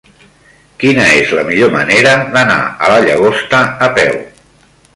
Quina és la millor manera d'anar a la Llagosta a peu?